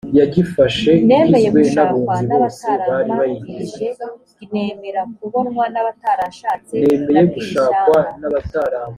nemeye gushakwa n’ abatarambaririje g’ nemera kubonwa n’ abataranshatse nabwiye ishyanga